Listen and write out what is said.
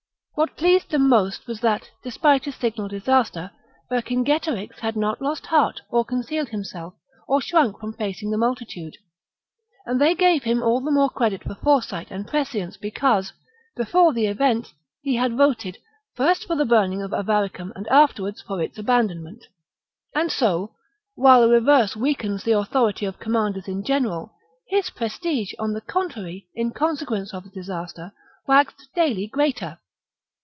What pleased them most was that, despite a signal disaster, Vercingetorix had not lost heart or concealed himself or shrunk from facing the multitude ; and they gave him all the more credit for foresight and prescience because, before the event, he had voted, first for the burning of Avaricum and afterwards fpr its abandonment. And so, while a reverse weakens the authority of commanders in general, his prestige, on the con trary, in consequence of the disaster, waxed daily greater.